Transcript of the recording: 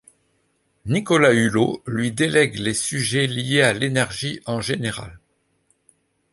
Nicolas Hulot lui délègue les sujets liés à l’énergie en général.